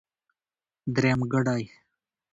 درېمګړی.